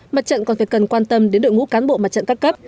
mặt trận còn phải cần quan tâm đến đội ngũ cán bộ mặt trận các cấp